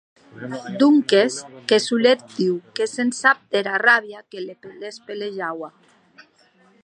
Donques que solet Diu se’n sap dera ràbia que les pelejaua.